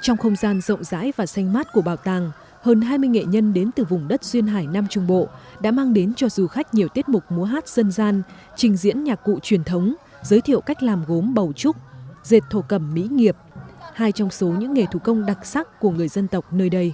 trong không gian rộng rãi và xanh mát của bảo tàng hơn hai mươi nghệ nhân đến từ vùng đất duyên hải nam trung bộ đã mang đến cho du khách nhiều tiết mục múa hát dân gian trình diễn nhạc cụ truyền thống giới thiệu cách làm gốm bầu trúc dệt thổ cầm mỹ nghiệp hai trong số những nghề thủ công đặc sắc của người dân tộc nơi đây